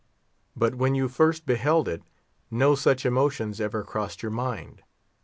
But when you first beheld it, no such emotions ever crossed your mind.